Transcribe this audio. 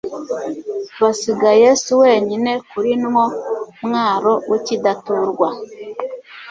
bagasiga Yesu wenyine kuri nwo mwaro w'ikidaturwa.